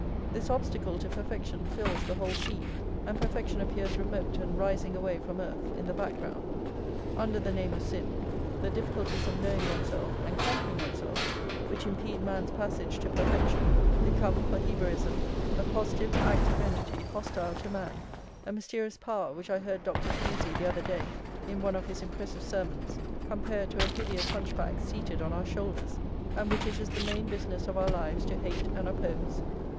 This obstacle to perfection fills the whole scene, and perfection appears remote and rising away from earth, in the background. Under the name of sin, the difficulties of knowing oneself and conquering oneself which impede man's passage to perfection, become, for Hebraism, a positive, active entity hostile to man, a mysterious power which I heard Dr. Pusey the other day, in one of his impressive sermons, compare to a hideous hunchback seated on our shoulders, and which it is the main business of our lives to hate and oppose.